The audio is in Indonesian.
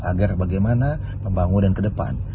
agar bagaimana pembangunan ke depan